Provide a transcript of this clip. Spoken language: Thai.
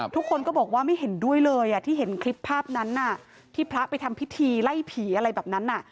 ทุกคนก็บอกว่าไม่เห็นด้วยเลยที่เห็นคลิปภาพนั้นที่พระไปทำพิธีไล่ผีอะไรแบบนั้น